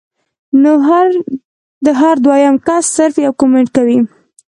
نو هر دويم کس صرف يو کمنټ کوي